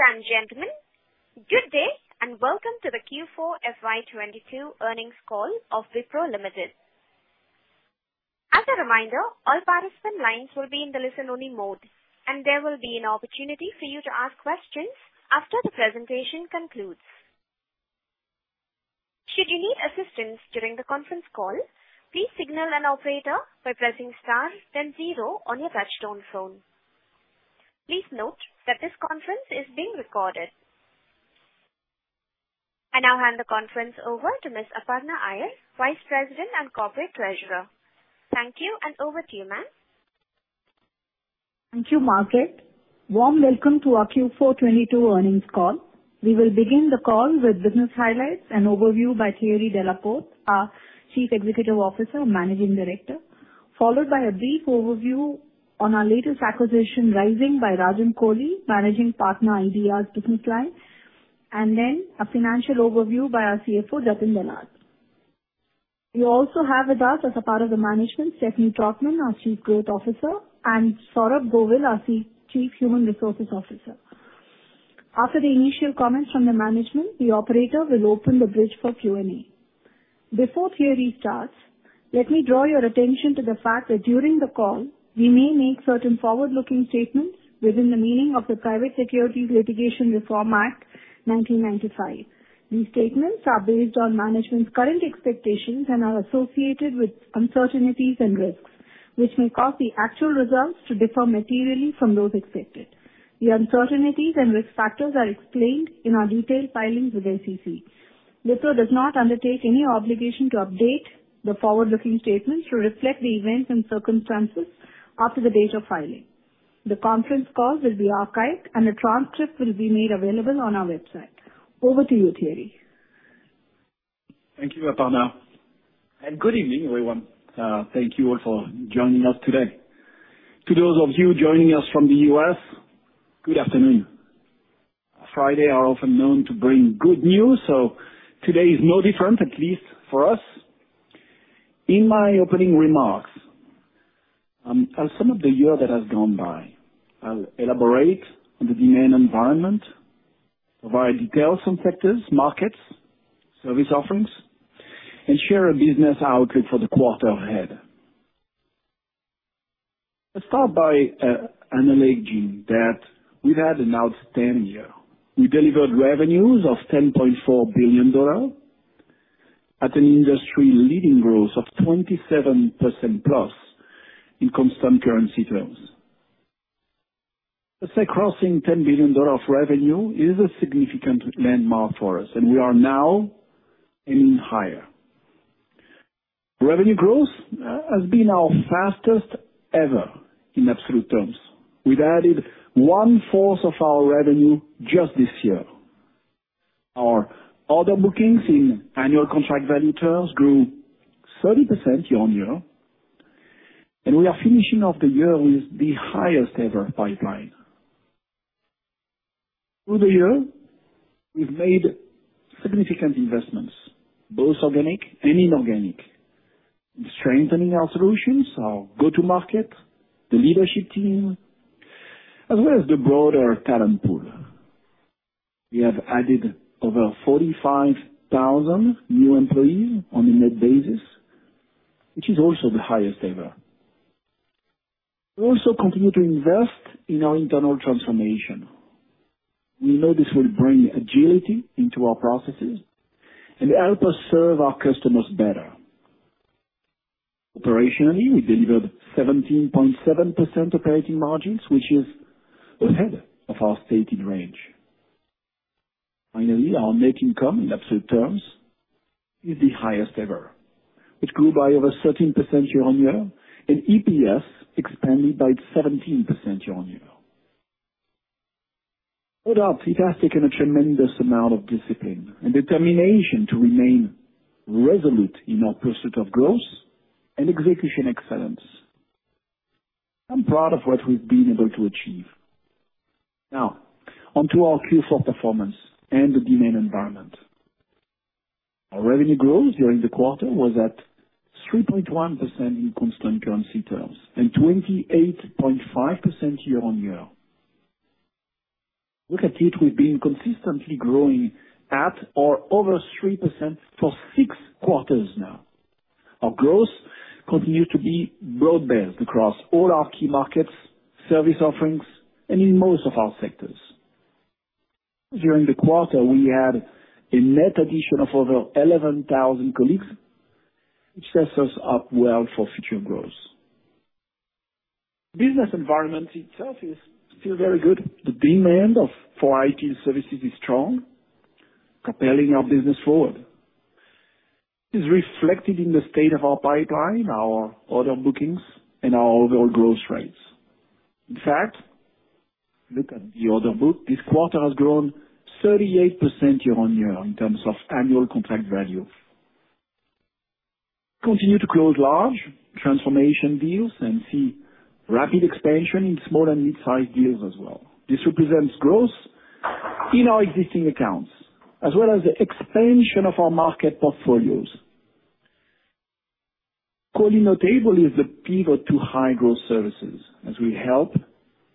Ladies and gentlemen, good day, and welcome to the Q4 FY 2022 earnings call of Wipro Limited. As a reminder, all participant lines will be in the listen-only mode, and there will be an opportunity for you to ask questions after the presentation concludes. Should you need assistance during the conference call, please signal an operator by pressing star then zero on your touchtone phone. Please note that this conference is being recorded. I now hand the conference over to Ms. Aparna Iyer, Vice President and Corporate Treasurer. Thank you, and over to you, ma'am. Thank you, Margaret. Warm welcome to our Q4 2022 earnings call. We will begin the call with business highlights and overview by Thierry Delaporte, our Chief Executive Officer and Managing Director, followed by a brief overview on our latest acquisition, Rizing, by Rajan Kohli, Managing Partner, iDEAS, and then a financial overview by our CFO, Jatin Dalal. We also have with us as a part of the management, Stephanie Trautman, our Chief Growth Officer, and Saurabh Govil, our Chief Human Resources Officer. After the initial comments from the management, the operator will open the bridge for Q&A. Before Thierry starts, let me draw your attention to the fact that during the call we may make certain forward-looking statements within the meaning of the Private Securities Litigation Reform Act 1995. These statements are based on management's current expectations and are associated with uncertainties and risks, which may cause the actual results to differ materially from those expected. The uncertainties and risk factors are explained in our detailed filings with SEC. Wipro does not undertake any obligation to update the forward-looking statements to reflect the events and circumstances after the date of filing. The conference call will be archived, and a transcript will be made available on our website. Over to you, Thierry. Thank you, Aparna, and good evening, everyone. Thank you all for joining us today. To those of you joining us from the U.S., good afternoon. Fridays are often known to bring good news, so today is no different, at least for us. In my opening remarks, I'll sum up the year that has gone by. I'll elaborate on the demand environment, provide details on sectors, markets, service offerings, and share a business outlook for the quarter ahead. Let's start by acknowledging that we've had an outstanding year. We delivered revenues of $10.4 billion at an industry-leading growth of 27%+ in constant currency terms. Let's say crossing $10 billion of revenue is a significant landmark for us, and we are now aiming higher. Revenue growth has been our fastest ever in absolute terms. We've added one-fourth of our revenue just this year. Our order bookings in annual contract value terms grew 30% year-on-year, and we are finishing off the year with the highest ever pipeline. Through the year, we've made significant investments, both organic and inorganic, in strengthening our solutions, our go-to market, the leadership team, as well as the broader talent pool. We have added over 45,000 new employees on a net basis, which is also the highest ever. We also continue to invest in our internal transformation. We know this will bring agility into our processes and help us serve our customers better. Operationally, we delivered 17.7% operating margins, which is ahead of our stated range. Finally, our net income in absolute terms is the highest ever. It grew by over 13% year-on-year, and EPS expanded by 17% year-on-year. No doubt it has taken a tremendous amount of discipline and determination to remain resolute in our pursuit of growth and execution excellence. I'm proud of what we've been able to achieve. Now onto our Q4 performance and the demand environment. Our revenue growth during the quarter was at 3.1% in constant currency terms and 28.5% year-on-year. Look at it, we've been consistently growing at or over 3% for six quarters now. Our growth continued to be broad-based across all our key markets, service offerings, and in most of our sectors. During the quarter, we had a net addition of over 11,000 colleagues, which sets us up well for future growth. Business environment itself is still very good. The demand for IT services is strong, propelling our business forward. This is reflected in the state of our pipeline, our order bookings, and our overall growth rates. In fact, look at the order book. This quarter has grown 38% year-on-year in terms of annual contract value. Continue to close large transformation deals and see rapid expansion in small and midsize deals as well. This represents growth in our existing accounts as well as the expansion of our market portfolios. is the pivot to high growth services as we help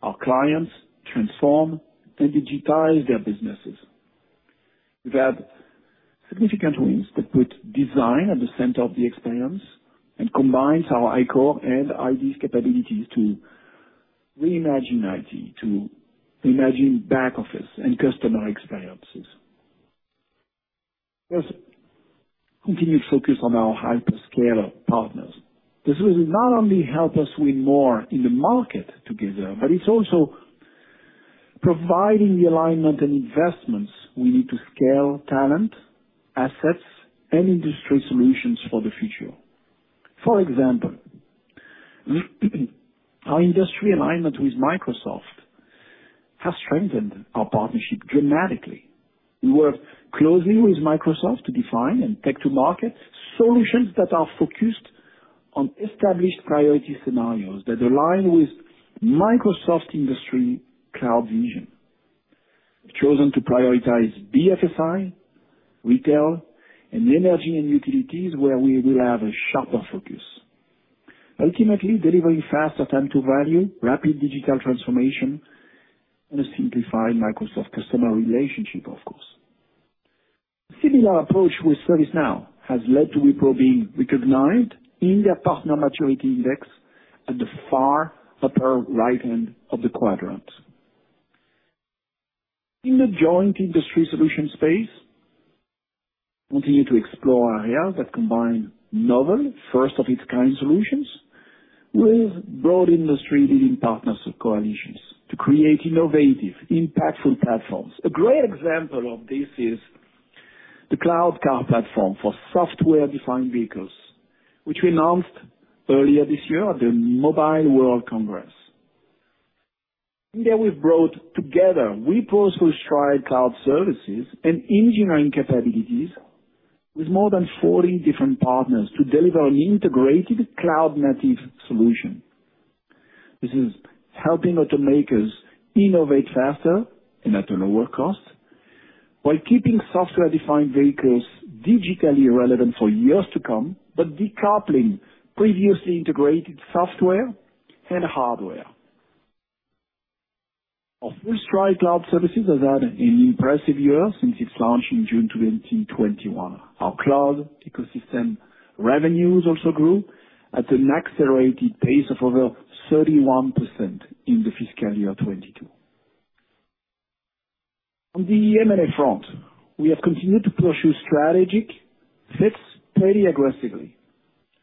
our clients transform and digitize their businesses. We've had significant wins that put design at the center of the experience and combines our iCORE and iDEAS's capabilities to reimagine IT, to reimagine back office and customer experiences. Plus, continued focus on our hyperscaler partners. This will not only help us win more in the market together, but it's also providing the alignment and investments we need to scale talent, assets, and industry solutions for the future. For example, our industry alignment with Microsoft has strengthened our partnership dramatically. We work closely with Microsoft to define and take to market solutions that are focused on established priority scenarios that align with Microsoft industry cloud vision. We've chosen to prioritize BFSI, retail, and energy and utilities where we will have a sharper focus. Ultimately, delivering faster time to value, rapid digital transformation, and a simplified Microsoft customer relationship, of course. Similar approach with ServiceNow has led to Wipro being recognized in their partner maturity index at the far upper right hand of the quadrant. In the joint industry solution space, continue to explore areas that combine novel, first of its kind solutions with broad industry leading partners or coalitions to create innovative, impactful platforms. A great example of this is the Cloud Car platform for software-defined vehicles, which we announced earlier this year at the Mobile World Congress. In there, we've brought together Wipro's FullStride Cloud Services and engineering capabilities with more than 40 different partners to deliver an integrated cloud-native solution. This is helping automakers innovate faster and at a lower cost while keeping software-defined vehicles digitally relevant for years to come, but decoupling previously integrated software and hardware. Our FullStride cloud services has had an impressive year since its launch in June 2021. Our cloud ecosystem revenues also grew at an accelerated pace of over 31% in the fiscal year 2022. On the M&A front, we have continued to pursue strategic fits pretty aggressively.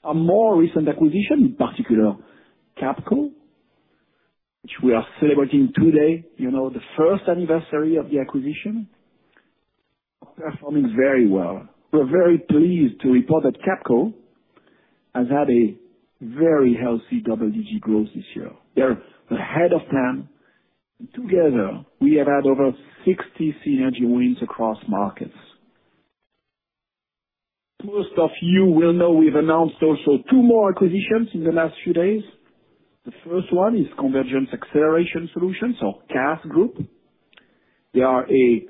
Our more recent acquisition, in particular Capco, which we are celebrating today, you know, the first anniversary of the acquisition, are performing very well. We're very pleased to report that Capco has had a very healthy double-digit growth this year. They're ahead of plan. Together, we have had over 60 synergy wins across markets. Most of you will know we've announced also two more acquisitions in the last few days. The first one is Convergence Acceleration Solutions, or CAS Group. They are a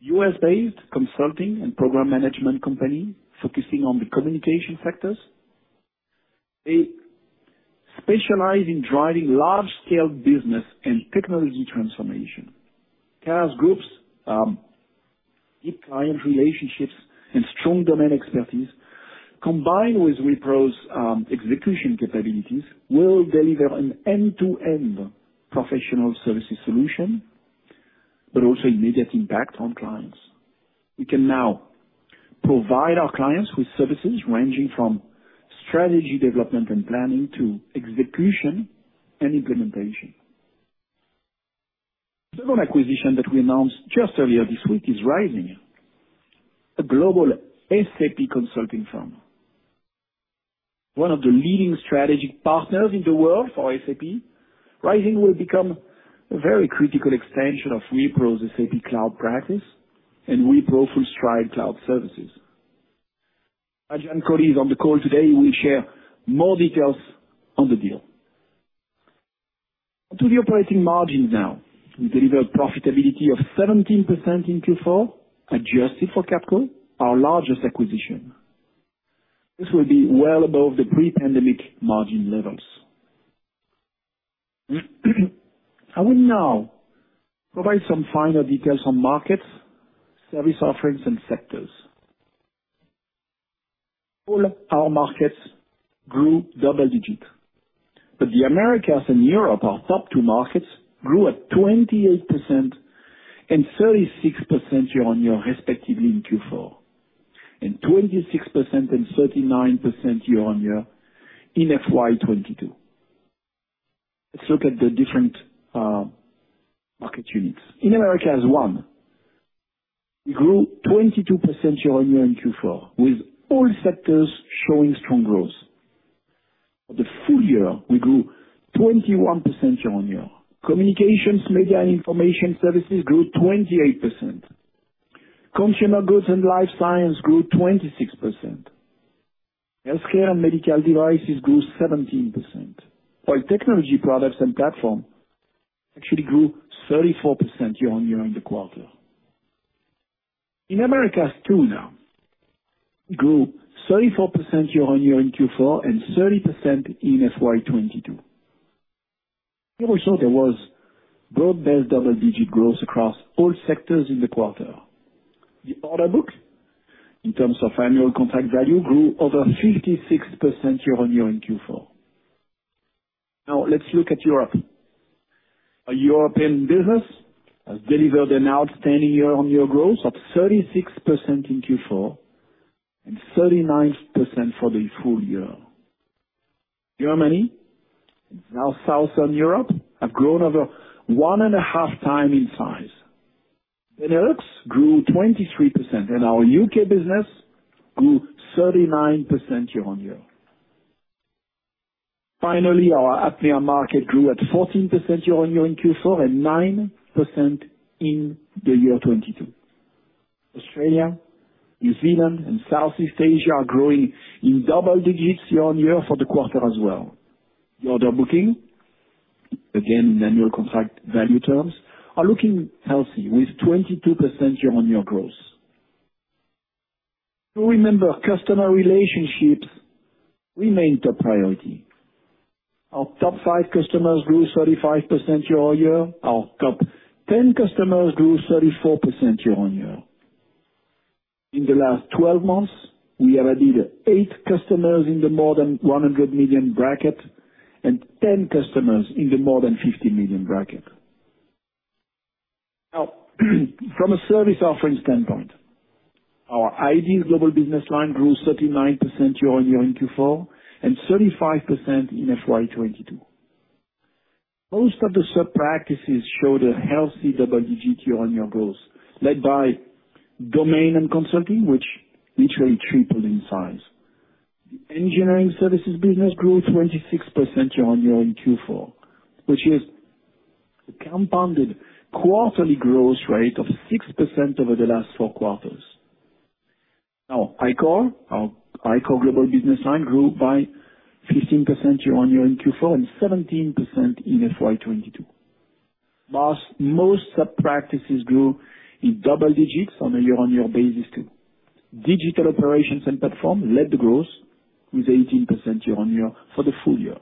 U.S.-based consulting and program management company focusing on the communications sector. They specialize in driving large-scale business and technology transformation. CAS Group's deep client relationships and strong domain expertise combined with Wipro's execution capabilities will deliver an end-to-end professional services solution, but also immediate impact on clients. We can now provide our clients with services ranging from strategy development and planning to execution and implementation. The other acquisition that we announced just earlier this week is Rizing, a global SAP consulting firm. One of the leading strategic partners in the world for SAP, Rizing will become a very critical extension of Wipro's SAP Cloud practice and Wipro FullStride Cloud Services. Rajan Kohli is on the call today and will share more details on the deal. To the operating margins now. We delivered profitability of 17% in Q4, adjusted for Capco, our largest acquisition. This will be well above the pre-pandemic margin levels. I will now provide some finer details on markets, service offerings, and sectors. All our markets grew double digits, but the Americas and Europe, our top two markets, grew at 28% and 36% year-on-year respectively in Q4, and 26% and 39% year-on-year in FY 2022. Let's look at the different market units. In Americas one, we grew 22% year-on-year in Q4, with all sectors showing strong growth. For the full year, we grew 21% year-on-year. Communications, media, and information services grew 28%. Consumer goods and life science grew 26%. Healthcare and medical devices grew 17%, while technology products and platform actually grew 34% year-on-year in the quarter. In Americas two, we grew 34% year-on-year in Q4 and 30% in FY 2022. Also, there was broad-based double-digit growth across all sectors in the quarter. The order book, in terms of annual contract value, grew over 56% year-on-year in Q4. Now let's look at Europe. Our European business has delivered an outstanding year-over-year growth of 36% in Q4 and 39% for the full year. Germany and now Southern Europe have grown over 1.5x in size. The Netherlands grew 23% and our U.K. business grew 39% year-over-year. Finally, our APMEA market grew at 14% year-over-year in Q4 and 9% in 2022. Australia, New Zealand and Southeast Asia are growing in double digits year-over-year for the quarter as well. The order bookings, again in annual contract value terms, are looking healthy with 22% year-over-year growth. Remember, customer relationships remain top priority. Our top five customers grew 35% year-over-year. Our top 10 customers grew 34% year-over-year. In the last 12 months, we have added eight customers in the more than $100 million bracket and 10 customers in the more than $50 million bracket. Now from a service offerings standpoint, our iDEAS global business line grew 39% year-on-year in Q4 and 35% in FY 2022. Most of the sub-practices showed a healthy double-digit year-on-year growth, led by domain and consulting, which literally tripled in size. The engineering services business grew 26% year-on-year in Q4, which is a compounded quarterly growth rate of 6% over the last four quarters. Now, iCORE, our iCORE global business line grew by 15% year-on-year in Q4 and 17% in FY 2022. Last, most sub-practices grew in double digits on a year-on-year basis too. Digital operations and platform led the growth with 18% year-on-year for the full year.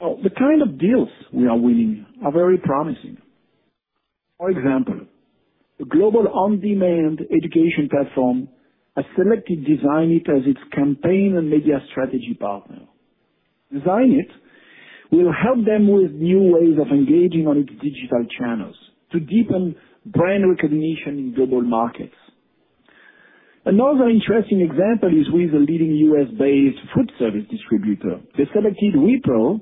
Now, the kind of deals we are winning are very promising. For example, the global on-demand education platform has selected Designit as its campaign and media strategy partner. Designit will help them with new ways of engaging on its digital channels to deepen brand recognition in global markets. Another interesting example is with a leading US-based food service distributor. They selected Wipro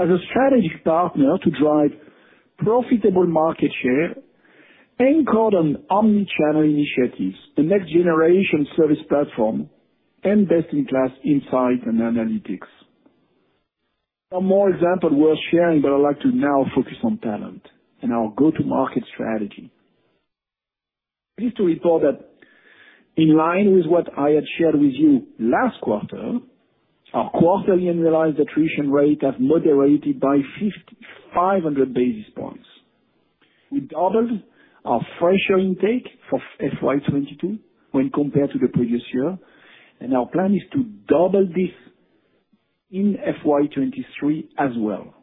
as a strategic partner to drive profitable market share anchored on omni-channel initiatives, the next generation service platform and best-in-class insight and analytics. One more example worth sharing, but I'd like to now focus on talent and our go-to-market strategy. Pleased to report that in line with what I had shared with you last quarter, our quarterly annualized attrition rate has moderated by 5,500 basis points. We doubled our fresher intake for FY 2022 when compared to the previous year, and our plan is to double this in FY 2023 as well.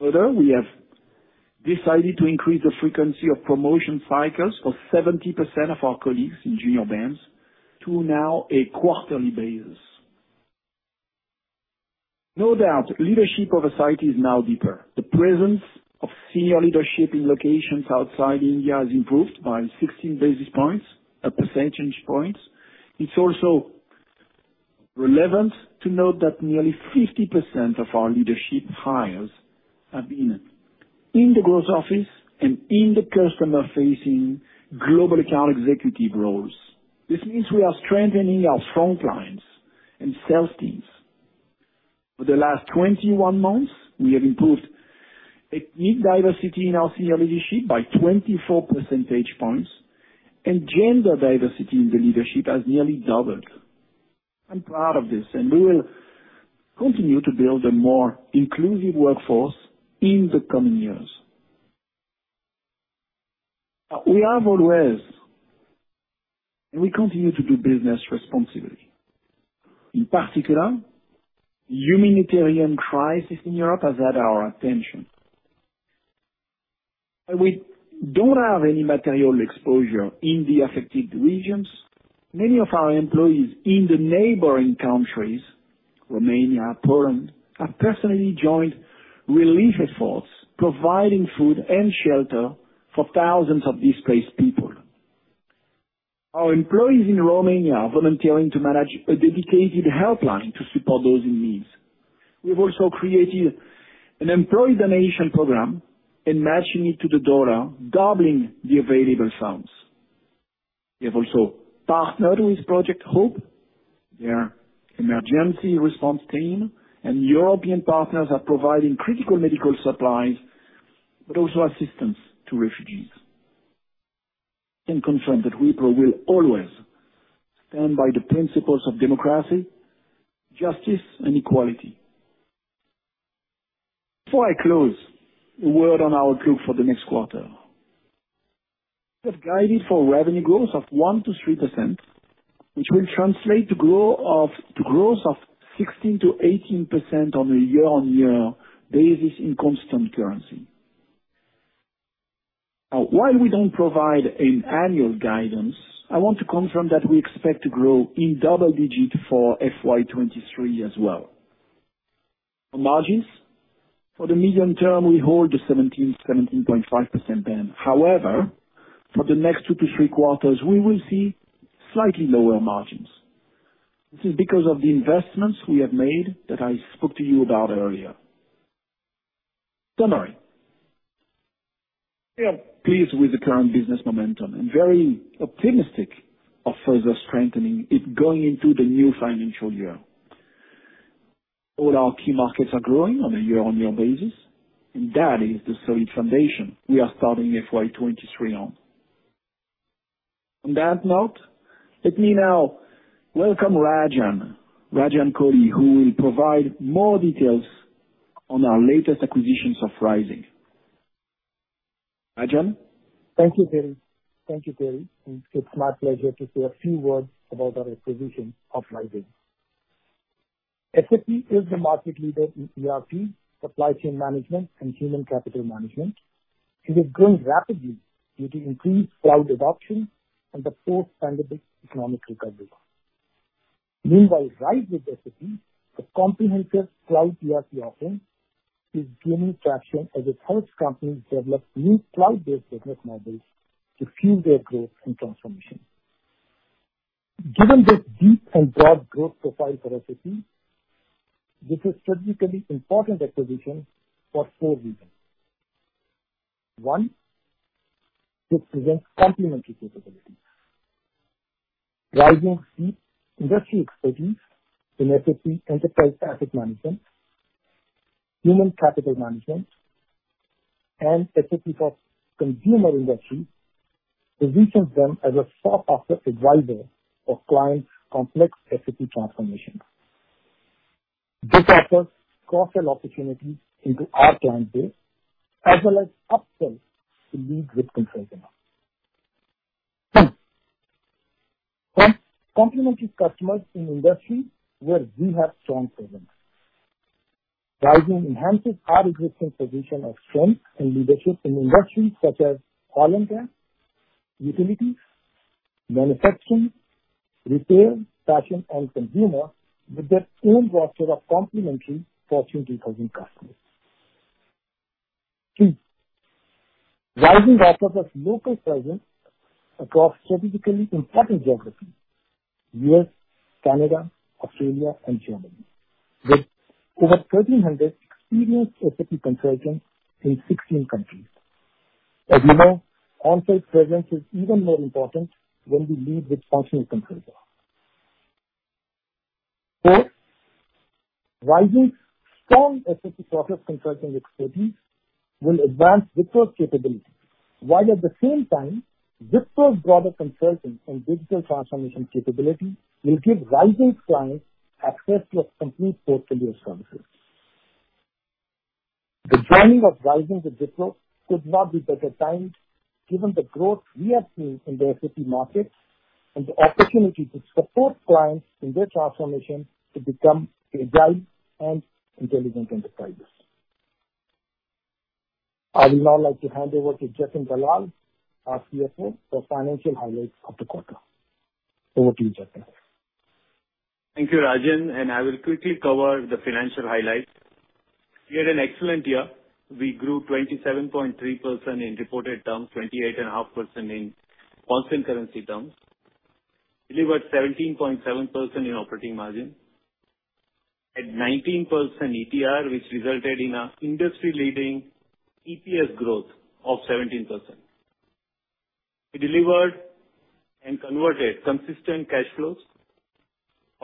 Further, we have decided to increase the frequency of promotion cycles for 70% of our colleagues in junior bands to now a quarterly basis. No doubt, leadership of the society is now deeper. The presence of senior leadership in locations outside India has improved by 16 basis points, percentage points. It's also relevant to note that nearly 50% of our leadership hires have been in the growth office and in the customer-facing global account executive roles. This means we are strengthening our front lines and sales teams. For the last 21 months, we have improved ethnic diversity in our senior leadership by 24 percentage points, and gender diversity in the leadership has nearly doubled. I'm proud of this, and we will continue to build a more inclusive workforce in the coming years. We have always and we continue to do business responsibly. In particular, the humanitarian crisis in Europe has had our attention. We don't have any material exposure in the affected regions. Many of our employees in the neighboring countries, Romania, Poland, have personally joined relief efforts, providing food and shelter for thousands of displaced people. Our employees in Romania are volunteering to manage a dedicated helpline to support those in need. We've also created an employee donation program and matching it to the dollar, doubling the available funds. We have also partnered with Project HOPE, their emergency response team, and European partners are providing critical medical supplies, but also assistance to refugees. I can confirm that Wipro will always stand by the principles of democracy, justice and equality. Before I close, a word on our group for the next quarter. We have guided for revenue growth of 1%-3%, which will translate to growth of 16%-18% on a year-on-year basis in constant currency. Now, while we don't provide an annual guidance, I want to confirm that we expect to grow in double digits for FY 2023 as well. For margins, for the medium term, we hold the 17.5% band. However, for the next two-three quarters, we will see slightly lower margins. This is because of the investments we have made that I spoke to you about earlier. Summary. We are pleased with the current business momentum and very optimistic of further strengthening it going into the new financial year. All our key markets are growing on a year-on-year basis, and that is the solid foundation we are starting FY 2023 on. On that note, let me now welcome Rajan Kohli, who will provide more details on our latest acquisitions of Rizing. Rajan? Thank you, Thierry. It's my pleasure to say a few words about our acquisition of Rizing. SAP is the market leader in ERP, supply chain management, and human capital management. It has grown rapidly due to increased cloud adoption and the post-pandemic economic recovery. Meanwhile, RISE with SAP, a comprehensive cloud ERP offering, is gaining traction as its customer companies develop new cloud-based business models to fuel their growth and transformation. Given this deep and broad growth profile for SAP, this is strategically important acquisition for four reasons. One, it presents complementary capabilities. Rizing's deep industry expertise in SAP enterprise asset management, human capital management, and SAP for consumer industry positions them as a thought partner advisor of clients' complex SAP transformations. This offers cross-sell opportunities into our client base, as well as upsells to lead with consulting arms. Two, from complementary customers in industries where we have strong presence. Rizing enhances our existing position of strength and leadership in industries such as oil and gas, utilities, manufacturing, retail, fashion, and consumer, with their own roster of complementary Fortune 500 customers. Three, Rizing offers us local presence across strategically important geographies, U.S., Canada, Australia, and Germany, with over 1,300 experienced SAP consultants in 16 countries. As you know, on-site presence is even more important when we lead with functional consulting. Four, Rizing's strong SAP process consulting expertise will advance Wipro's capabilities, while at the same time, Wipro's broader consulting and digital transformation capability will give Rizing's clients access to a complete portfolio of services. The joining of Rizing to Wipro could not be better timed, given the growth we have seen in the SAP market and the opportunity to support clients in their transformation to become agile and intelligent enterprises. I would now like to hand over to Jatin Dalal, our CFO, for financial highlights of the quarter. Over to you, Jatin. Thank you, Rajan, and I will quickly cover the financial highlights. We had an excellent year. We grew 27.3% in reported terms, 28.5% in constant currency terms. Delivered 17.7% in operating margin. At 19% ETR, which resulted in an industry-leading EPS growth of 17%. We delivered and converted consistent cash flows.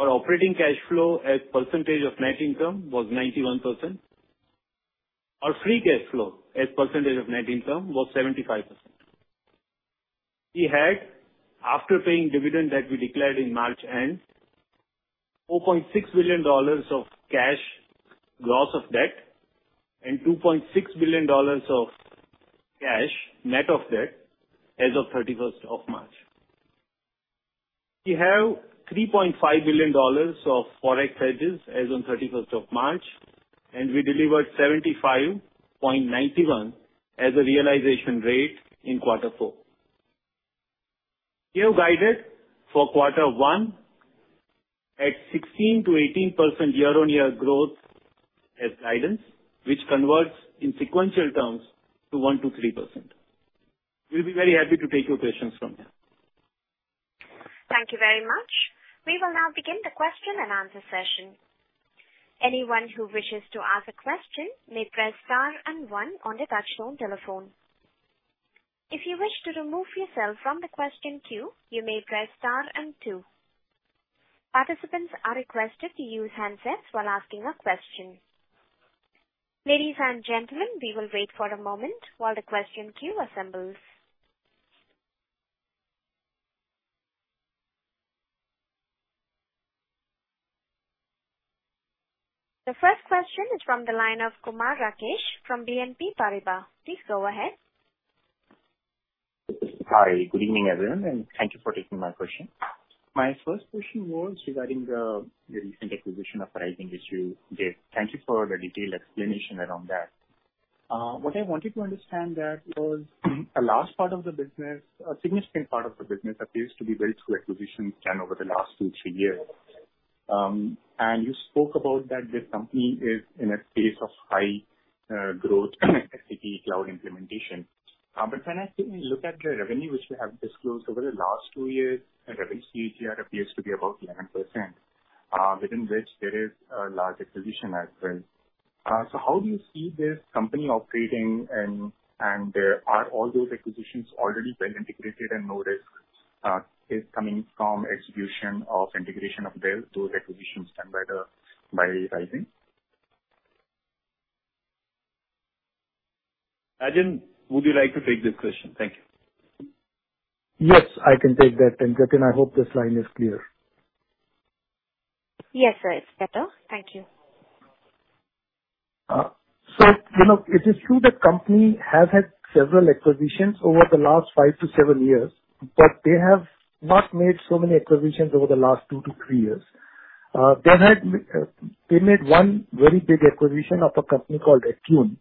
Our operating cash flow as percentage of net income was 91%. Our free cash flow as percentage of net income was 75%. We had, after paying dividend that we declared in March end, $4.6 billion of cash gross of debt and $2.6 billion of cash net of debt as of 31st March. We have $3.5 billion of Forex hedges as on 31st March, and we delivered 75.91 as a realization rate in quarter four. We have guided for quarter one at 16%-18% year-on-year growth as guidance, which converts in sequential terms to 1%-3%. We'll be very happy to take your questions from here. Thank you very much. We will now begin the question-and-answer session. Anyone who wishes to ask a question may press star and one on their touchtone telephone. If you wish to remove yourself from the question queue, you may press star and two. Participants are requested to use handsets while asking a question. Ladies and gentlemen, we will wait for a moment while the question queue assembles. The first question is from the line of Kumar Rakesh from BNP Paribas. Please go ahead. Hi. Good evening, everyone, and thank you for taking my question. My first question was regarding the recent acquisition of Rizing, which you did. Thank you for the detailed explanation around that. What I wanted to understand that was a large part of the business. A significant part of the business appears to be built through acquisitions done over the last two, three years. You spoke about that this company is in a space of high growth SAP cloud implementation. When I look at the revenue which we have disclosed over the last two years, the revenue CAGR appears to be about 11%, within which there is a large acquisition as well. How do you see this company operating and are all those acquisitions already well integrated and no risk is coming from execution of integration of those acquisitions done by Rizing? I didnt, would you like to take this question? Thank you. Yes, I can take that. Jatin, I hope this line is clear. Yes, sir. It's better. Thank you. You know, it is true the company has had several acquisitions over the last five-seven years, but they have not made so many acquisitions over the last two-three years. They made one very big acquisition of a company called attune.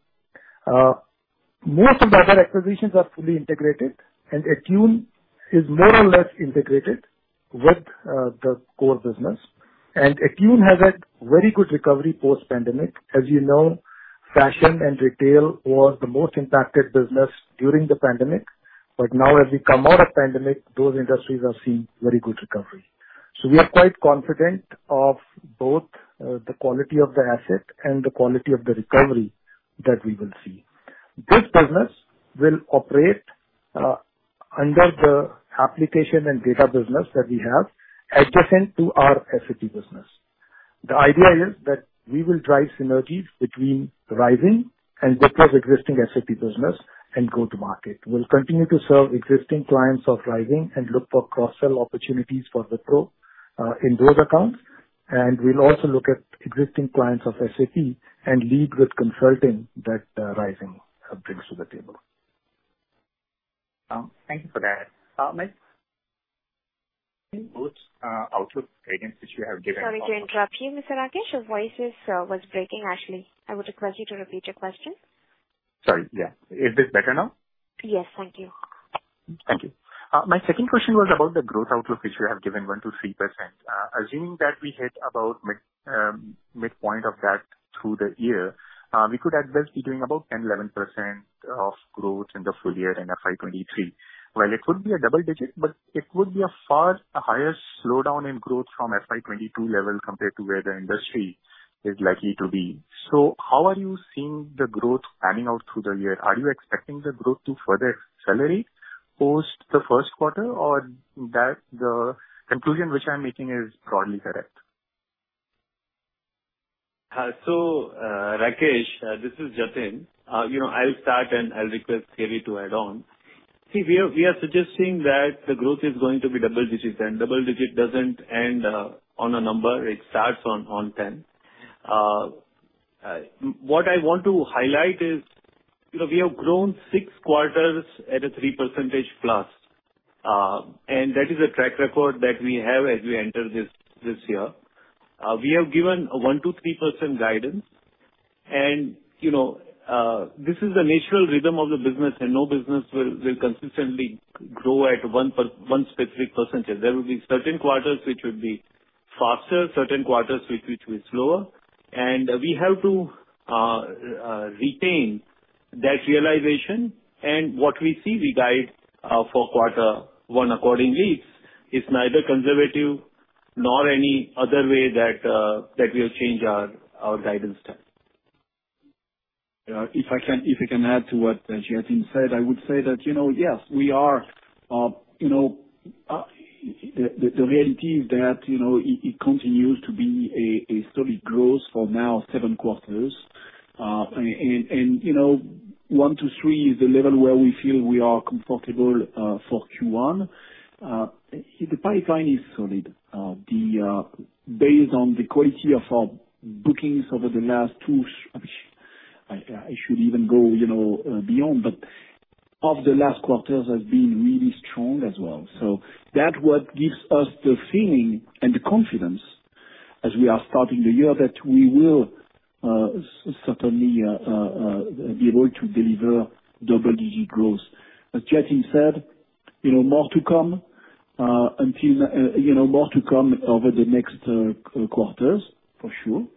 Most of the other acquisitions are fully integrated and attune is more or less integrated with the core business. Attune has had very good recovery post-pandemic. As you know, fashion and retail was the most impacted business during the pandemic. Now as we come out of pandemic, those industries are seeing very good recovery. We are quite confident of both the quality of the asset and the quality of the recovery that we will see. This business will operate under the application and data business that we have adjacent to our SAP business. The idea is that we will drive synergies between Rizing and Wipro's existing SAP business and go to market. We'll continue to serve existing clients of Rizing and look for cross-sell opportunities for Wipro in those accounts. We'll also look at existing clients of SAP and lead with consulting that Rizing brings to the table. Thank you for that. My outlook guidance which you have given. Sorry to interrupt you, Mr. Rakesh. Your voice was breaking, actually. I would request you to repeat your question. Sorry. Yeah. Is this better now? Yes. Thank you. Thank you. My second question was about the growth outlook, which you have given 1%-3%. Assuming that we hit about the midpoint of that through the year, we could at best be doing about 10%-11% growth in the full year in FY 2023. While it could be a double-digit, it would be a far higher slowdown in growth from FY 2022 level compared to where the industry is likely to be. How are you seeing the growth panning out through the year? Are you expecting the growth to further accelerate post the first quarter, or that the conclusion which I'm making is broadly correct? Rakesh, this is Jatin. You know, I'll start and I'll request Thierry to add on. See, we are suggesting that the growth is going to be double digit, and double digit doesn't end on a number. It starts on 10. What I want to highlight is, you know, we have grown six quarters at a 3%+, and that is a track record that we have as we enter this year. We have given a 1%-3% guidance and, you know, this is the natural rhythm of the business, and no business will consistently grow at one specific percentage. There will be certain quarters which will be faster, certain quarters which will be slower. We have to retain that realization. What we see, we guide for quarter one accordingly. It's neither conservative nor any other way that we'll change our guidance time. If I can add to what Jatin said, I would say that, you know, yes, we are, you know, the reality is that, you know, it continues to be a solid growth for now seven quarters. 1%-3% is the level where we feel we are comfortable for Q1. The pipeline is solid. Based on the quality of our bookings over the last two. I should even go beyond. But the last quarters have been really strong as well. So that's what gives us the feeling and the confidence as we are starting the year that we will certainly be able to deliver double-digit growth. As Jatin said, you know, more to come over the next quarters for sure.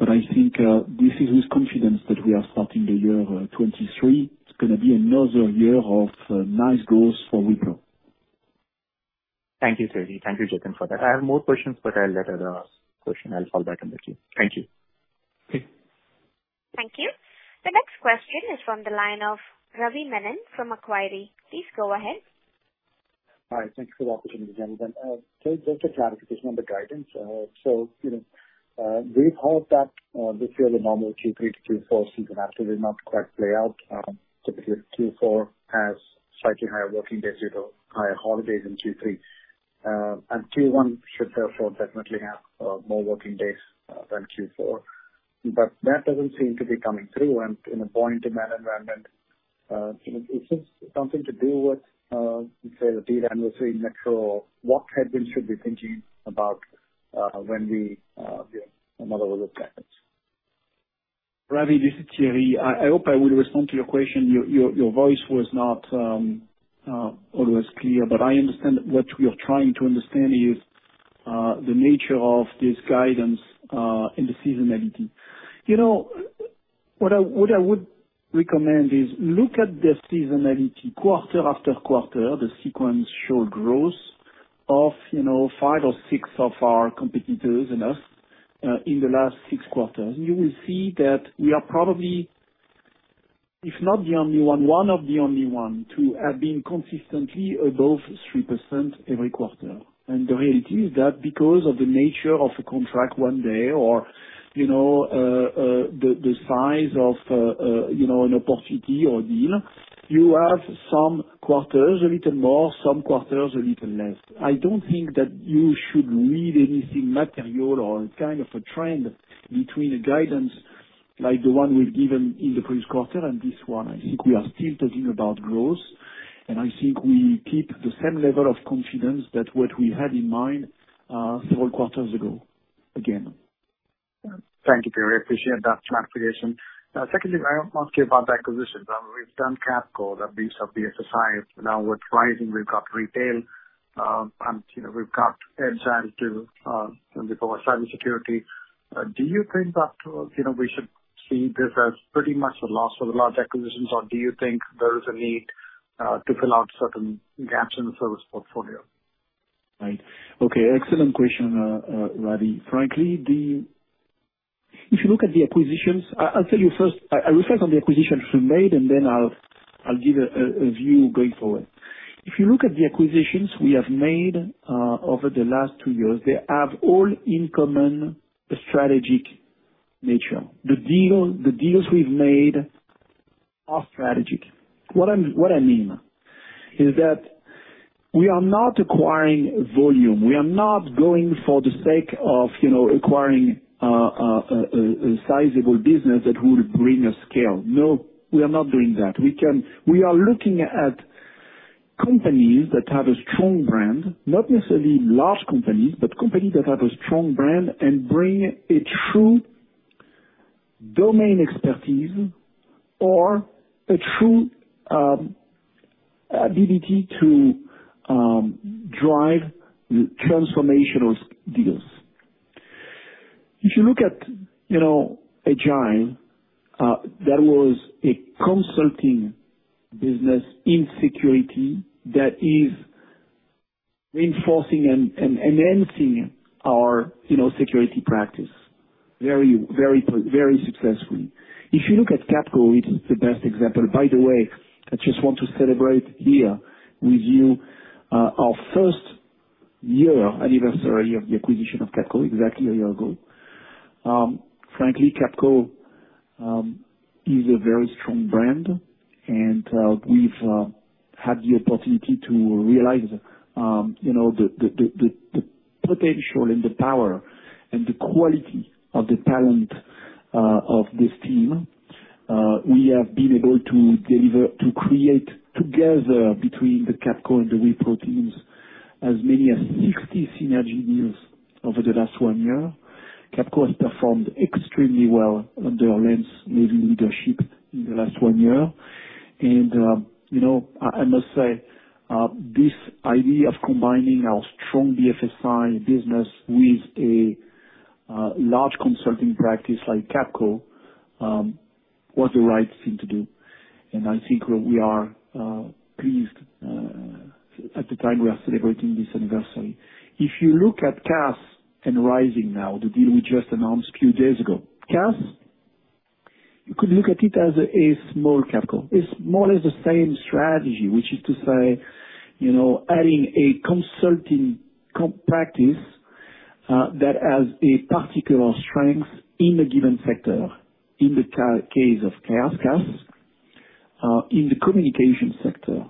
I think this is with confidence that we are starting the year 2023. It's gonna be another year of nice growth for Wipro. Thank you, Thierry. Thank you, Jatin, for that. I have more questions, but I'll table the question. I'll follow up with you. Thank you. Okay. Thank you. The next question is from the line of Ravi Menon from Macquarie. Please go ahead. Hi. Thank you for the opportunity, gentlemen. Just a clarification on the guidance, you know. We've heard that this year the normal Q3 to Q4 seasonality actually not quite play out. Typically, Q4 has slightly fewer working days due to more holidays than Q3. Q1 should therefore definitely have more working days than Q4. But that doesn't seem to be coming through and at that point in that environment, you know, is this something to do with, say, the data anniversary in April? What headwind should we be thinking about, you know, when we look at it? Ravi, this is Thierry. I hope I will respond to your question. Your voice was not always clear, but I understand that what we are trying to understand is the nature of this guidance and the seasonality. You know, what I would recommend is look at the seasonality quarter after quarter, the sequence show growth of, you know, five or six of our competitors and us in the last six quarters. You will see that we are probably, if not the only one of the only one to have been consistently above 3% every quarter. The reality is that because of the nature of the contract one day or, you know, the size of, you know, an opportunity or a deal, you have some quarters a little more, some quarters a little less. I don't think that you should read anything material or kind of a trend between the guidance like the one we've given in the previous quarter and this one. I think we are still talking about growth, and I think we keep the same level of confidence that what we had in mind, several quarters ago, again. Thank you, Thierry. Appreciate that clarification. Secondly, I want to ask you about the acquisition. We've done Capco, Designit, CAS. Now with Rizing, we've got retail, and, you know, we've got Edgile for cybersecurity. Do you think that, you know, we should see this as pretty much the last of the large acquisitions, or do you think there is a need to fill out certain gaps in the service portfolio? Right. Okay, excellent question, Ravi. Frankly, if you look at the acquisitions, I'll tell you first, I will start on the acquisitions we made and then I'll give a view going forward. If you look at the acquisitions we have made, over the last two years, they have all in common a strategic nature. The deals we've made are strategic. What I mean is that we are not acquiring volume. We are not going for the sake of, you know, acquiring, a sizable business that will bring us scale. No, we are not doing that. We are looking at companies that have a strong brand, not necessarily large companies, but companies that have a strong brand and bring a true domain expertise or a true ability to drive transformational deals. If you look at, you know, Edgile, that was a consulting business in security that is reinforcing and enhancing our, you know, security practice very successfully. If you look at Capco, it is the best example. By the way, I just want to celebrate here with you, our first year anniversary of the acquisition of Capco exactly a year ago. Frankly, Capco is a very strong brand, and we've had the opportunity to realize, you know, the potential and the power and the quality of the talent of this team. We have been able to deliver, to create together between the Capco and the Wipro teams as many as 60 synergy deals over the last one year. Capco has performed extremely well under Lance Levy leadership in the last one year. You know, I must say this idea of combining our strong BFSI business with a large consulting practice like Capco was the right thing to do. I think we are pleased at the time we are celebrating this anniversary. If you look at CAS and Rizing now, the deal we just announced a few days ago. CAS, you could look at it as a small Capco. It's more or less the same strategy, which is to say, you know, adding a consulting company practice that has a particular strength in a given sector, in the case of CAS, in the communication sector.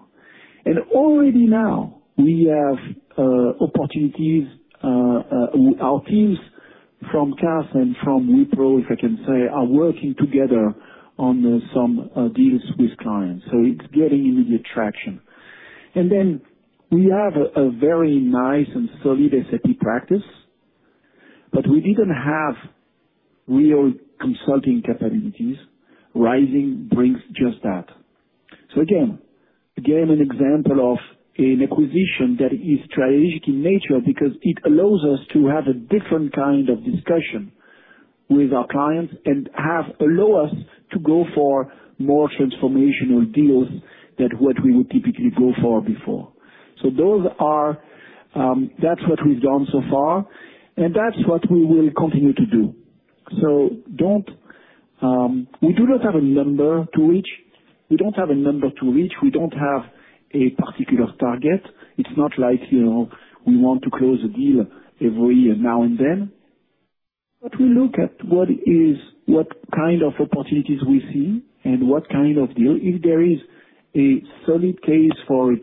Already now we have opportunities, our teams from CAS and from Wipro, if I can say, are working together on some deals with clients. It's getting immediate traction. We have a very nice and solid SAP practice, but we didn't have real consulting capabilities. Rizing brings just that. Again, an example of an acquisition that is strategic in nature because it allows us to have a different kind of discussion with our clients and allows us to go for more transformational deals than what we would typically go for before. Those are what we've done so far, and that's what we will continue to do. We do not have a number to reach. We don't have a particular target. It's not like, you know, we want to close a deal every now and then. We look at what kind of opportunities we see and what kind of deal. If there is a solid case for a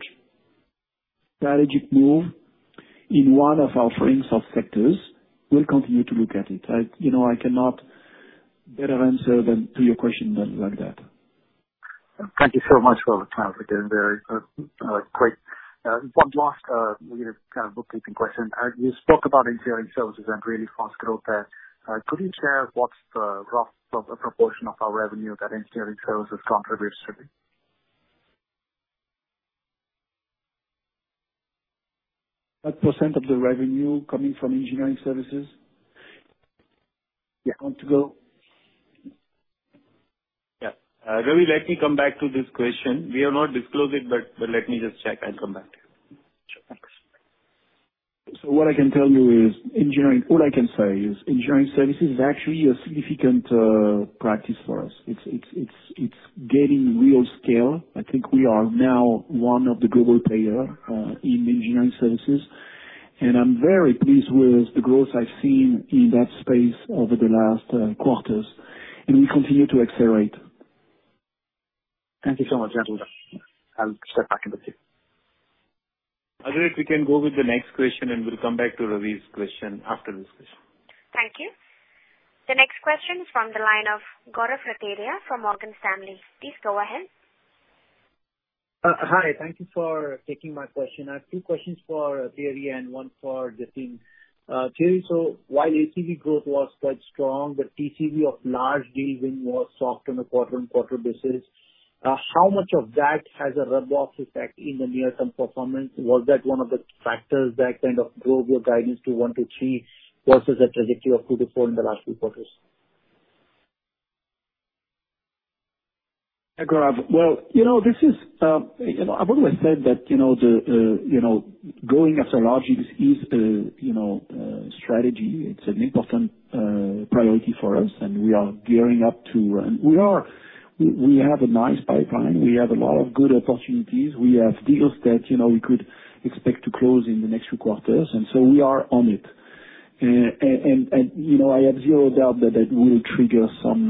strategic move in one of our frames of sectors, we'll continue to look at it. You know, I cannot better answer than to your question than like that. Thank you so much for the clarity and very quick. One last, maybe kind of, bookkeeping question. You spoke about engineering services and really fast growth there. Could you share what's the rough proportion of our revenue that engineering services contributes to? What percentage of the revenue coming from engineering services? Yeah. Want to go? Yeah. Ravi, let me come back to this question. We have not disclosed it but let me just check and come back to you. Sure. Thanks. What I can tell you is engineering. All I can say is engineering services is actually a significant practice for us. It's gaining real scale. I think we are now one of the global player in engineering services, and I'm very pleased with the growth I've seen in that space over the last quarters, and we continue to accelerate. Thank you so much, gentlemen. I'll step back in the queue. I think, we can go with the next question, and we'll come back to Ravi's question after this question. Thank you. The next question from the line of Gaurav Rateria from Morgan Stanley. Please go ahead. Hi. Thank you for taking my question. I have two questions for Thierry and one for Jatin. Thierry, so while ACV growth was quite strong, the TCV of large deal win was soft on a quarter-over-quarter basis. How much of that has a rub-off effect in the near-term performance? Was that one of the factors that kind of drove your guidance to 1%-3% versus the trajectory of 2%-4% in the last few quarters? Gaurav, well, you know, this is, you know, I've always said that, you know, the, you know, going after large deals is a, you know, a strategy. It's an important priority for us, and we have a nice pipeline. We have a lot of good opportunities. We have deals that, you know, we could expect to close in the next few quarters, and so we are on it. You know, I have zero doubt that that will trigger some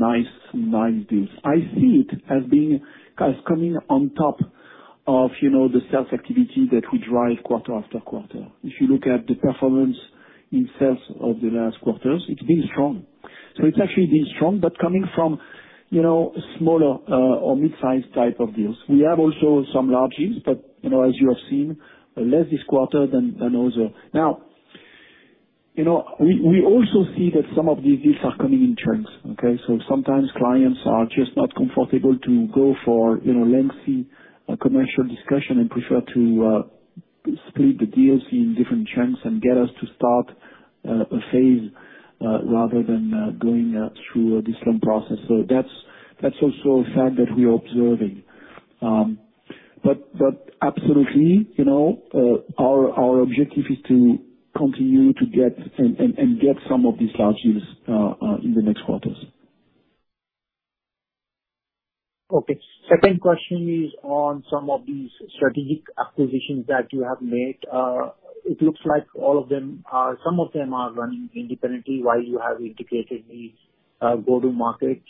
nice deals. I see it as coming on top of, you know, the sales activity that we drive quarter after quarter. If you look at the performance in sales of the last quarters, it's been strong. It's actually been strong, but coming from, you know, smaller, or mid-sized type of deals. We have also some large deals, but, you know, as you have seen, less this quarter than other. Now, you know, we also see that some of these deals are coming in chunks, okay? Sometimes clients are just not comfortable to go for, you know, lengthy, commercial discussion and prefer to split the deals in different chunks and get us to start a phase rather than going through a different process. That's also a fact that we are observing. Absolutely, you know, our objective is to continue to get and get some of these large deals in the next quarters. Okay. Second question is on some of these strategic acquisitions that you have made. It looks like some of them are running independently while you have integrated the go-to-market.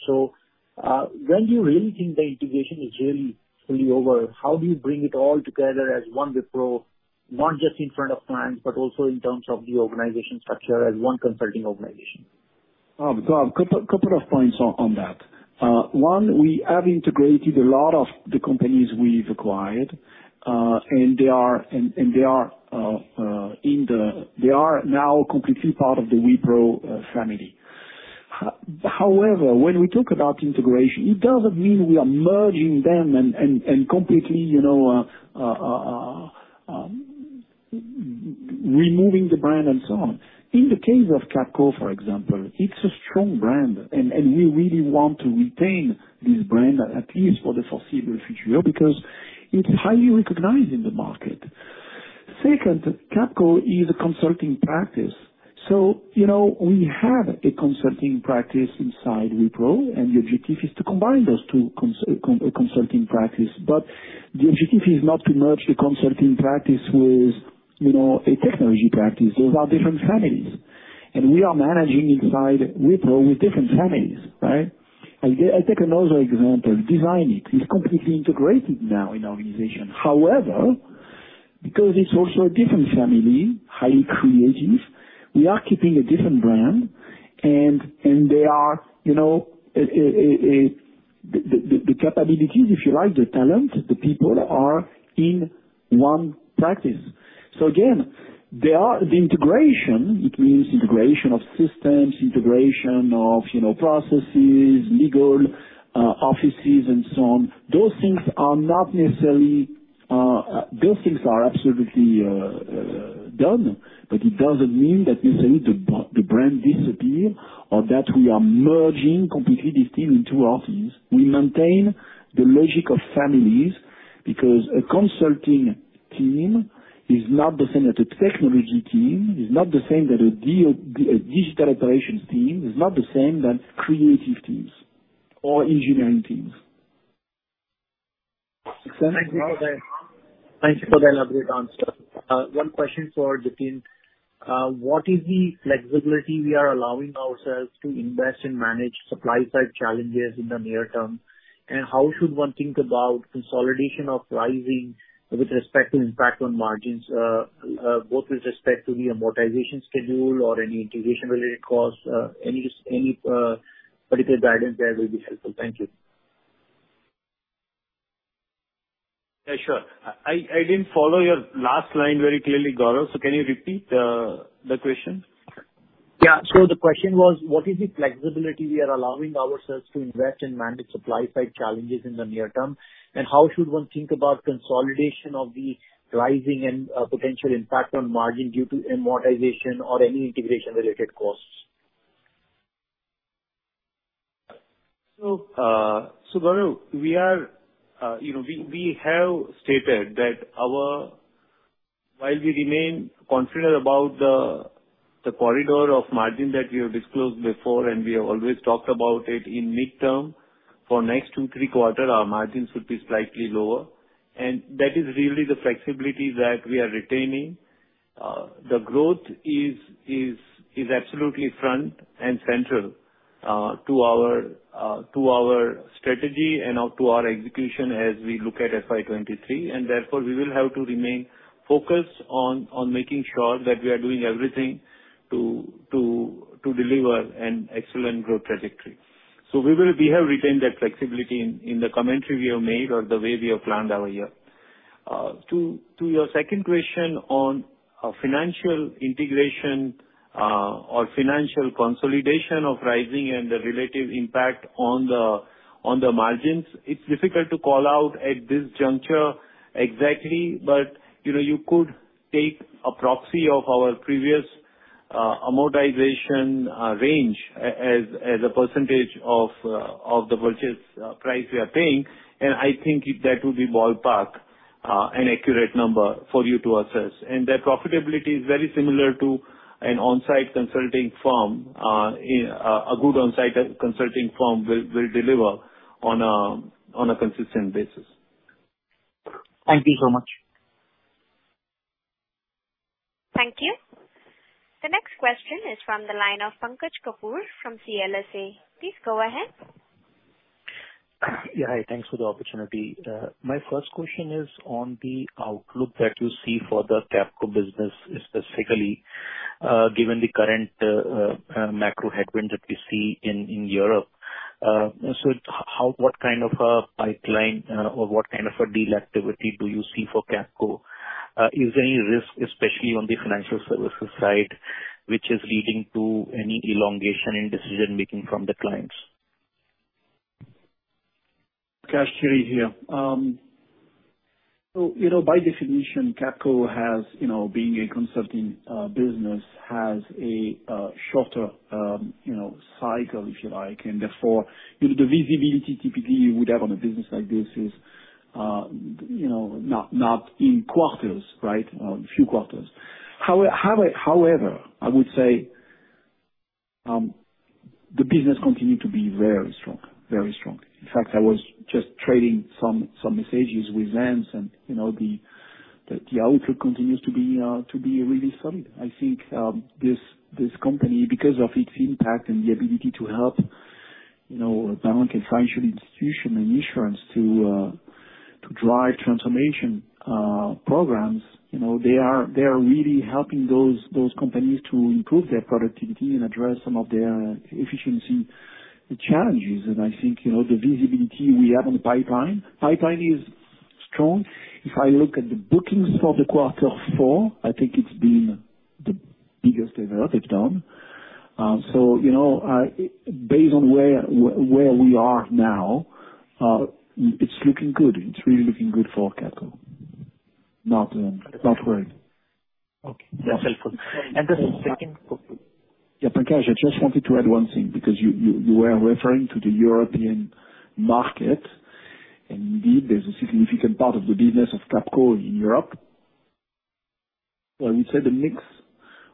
When do you really think the integration is really fully over? How do you bring it all together as one Wipro, not just in front of clients, but also in terms of the organizational structure as one consulting organization? Gaurav, couple of points on that. One, we have integrated a lot of the companies we've acquired, and they are now completely part of the Wipro family. However, when we talk about integration, it doesn't mean we are merging them and completely, you know, removing the brand and so on. In the case of Capco, for example, it's a strong brand, and we really want to retain this brand, at least for the foreseeable future, you know, because it's highly recognized in the market. Second, Capco is a consulting practice. You know, we have a consulting practice inside Wipro, and the objective is to combine those two consulting practice. The objective is not to merge the consulting practice with, you know, a technology practice. Those are different families. We are managing inside Wipro with different families, right? I'll take another example. Designit is completely integrated now in our organization. However, because it's also a different family, highly creative, we are keeping a different brand, and they are, you know, the capabilities, if you like, the talent, the people are in one practice. Again, they are the integration. It means integration of systems, integration of, you know, processes, legal, offices and so on. Those things are absolutely done, but it doesn't mean that necessarily the brand disappear or that we are merging completely this team in two offices. We maintain the logic of families. Because a consulting team is not the same as a technology team, is not the same that a deal. A digital operations team is not the same as creative teams or engineering teams. Thank you for that. Thank you for that elaborate answer. One question for Jatin. What is the flexibility we are allowing ourselves to invest and manage supply-side challenges in the near term? How should one think about consolidation of Rizing with respect to impact on margins, both with respect to the amortization schedule or any integration-related costs? Any particular guidance there will be helpful. Thank you. Yeah, sure. I didn't follow your last line very clearly, Gaurav, so can you repeat the question? Yeah. The question was: What is the flexibility we are allowing ourselves to invest and manage supply-side challenges in the near term? And how should one think about consolidation of the Rizing and potential impact on margin due to amortization or any integration-related costs? Gaurav, we have stated that our. While we remain confident about the corridor of margin that we have disclosed before, and we have always talked about it in mid-term, for next two, three quarter, our margins will be slightly lower. That is really the flexibility that we are retaining. The growth is absolutely front and center to our strategy and to our execution as we look at FY 2023, and therefore, we will have to remain focused on making sure that we are doing everything to deliver an excellent growth trajectory. We have retained that flexibility in the commentary we have made or the way we have planned our year. To your second question on financial integration or financial consolidation of Rizing and the relative impact on the margins, it's difficult to call out at this juncture exactly, but you know, you could take a proxy of our previous amortization range as a percentage of the purchase price we are paying. I think that would be ballpark an accurate number for you to assess. Their profitability is very similar to an on-site consulting firm. A good on-site consulting firm will deliver on a consistent basis. Thank you so much. Thank you. The next question is from the line of Pankaj Kapoor from CLSA. Please go ahead. Yeah. Hi, thanks for the opportunity. My first question is on the outlook that you see for the Capco business specifically, given the current macro headwinds that we see in Europe. What kind of a pipeline or what kind of a deal activity do you see for Capco? Is there any risk, especially on the financial services side, which is leading to any elongation in decision-making from the clients? Pankaj, Thierry here. So, you know, by definition, Capco has, you know, being a consulting business, has a shorter, you know, cycle, if you like, and therefore, you know, the visibility typically you would have on a business like this is, you know, not in quarters, right? Few quarters. However, I would say, the business continued to be very strong. In fact, I was just trading some messages with Vince and, you know, the outlook continues to be really solid. I think, this company, because of its impact and the ability to help, you know, a bank and financial institution and insurance to drive transformation programs, you know, they are really helping those companies to improve their productivity and address some of their efficiency challenges. I think the visibility we have on the pipeline is strong. If I look at the bookings for the quarter four, I think it's been the biggest ever they've done. Based on where we are now, it's looking good. It's really looking good for Capco. Not worried. Okay. That's helpful. The second question. Yeah, Pankaj, I just wanted to add one thing because you were referring to the European market, and indeed there's a significant part of the business of Capco in Europe. Well, I would say the mix